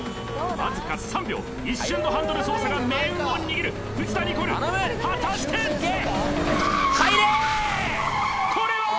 わずか３秒一瞬のハンドル操作が命運を握る藤田ニコル果たして入れー！